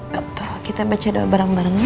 gak apa apa kita baca doa bareng bareng